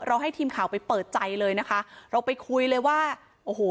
ให้ทีมข่าวไปเปิดใจเลยนะคะเราไปคุยเลยว่าโอ้โห